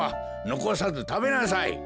のこさずたべなさい。